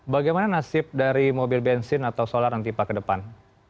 bagaimana nasib dari mobil bensin atau solar nanti pak ke depan